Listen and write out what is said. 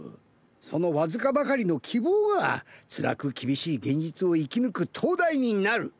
その僅かばかりの希望がつらく厳しい現実を生き抜く灯台になる。